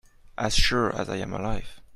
As sure as I am alive.